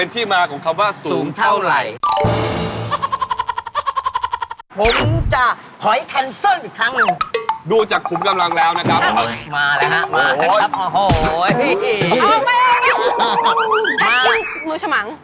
ถ้ากินมือฉมัง